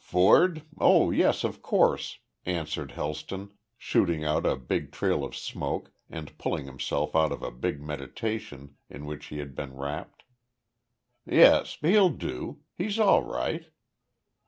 "Ford? Oh, yes, of course," answered Helston, shooting out a big trail of smoke and pulling himself out of a big meditation in which he had been wrapped. "Yes. He'll do. He's all right."